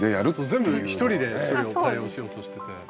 全部一人でそれを対応しようとしてて。